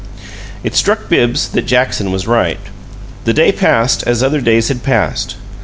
It struck Bibbs that Jackson was right. The day passed as other days had passed.